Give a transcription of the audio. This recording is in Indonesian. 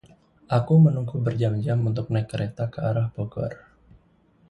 Aku menunggu berjam-jam untuk naik kereta arah Bogor.